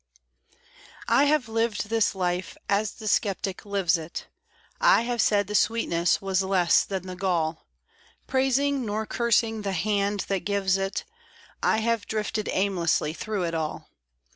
I have lived this life as the skeptic lives it; I have said the sweetness was less than the gall; Praising, nor cursing, the Hand that gives it, I have drifted aimlessly through it all.